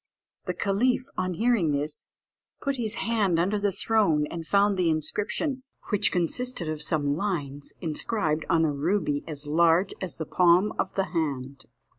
The caliph, on hearing this, put his hand under the throne, and found the inscription, which consisted of some lines, inscribed on a ruby as large as the palm of the hand.